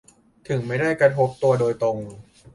ถึงไม่ได้กระทบตัวโดยตรง